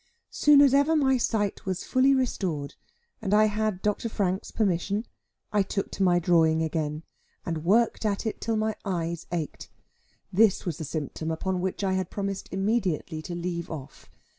Soon as ever my sight was fully restored, and I had Dr. Frank's permission, I took to my drawing again, and worked at it till my eyes ached. This was the symptom upon which I had promised immediately to leave off.